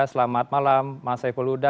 selamat malam mas saiful huda